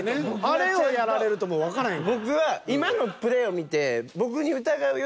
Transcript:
あれをやられるともうわからへん。